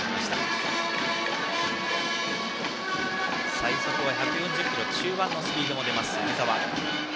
最速は１４０キロ中盤のスピードもでます梅澤。